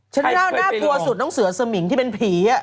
ชั้นให้น่าพวกสุดพวกนั้นเสือเสมิงเป็นผี